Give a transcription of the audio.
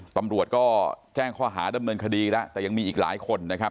ตำรวจก็แจ้งข้อหาดำเนินคดีแล้วแต่ยังมีอีกหลายคนนะครับ